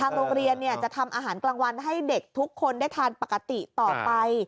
โรงเรียนจะทำอาหารกลางวันให้เด็กทุกคนได้ทานปกติต่อไป